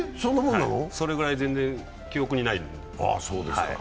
それぐらい全然記憶にないです。